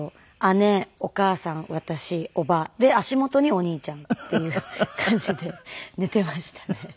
私伯母で足元にお兄ちゃんっていう感じで寝ていましたね。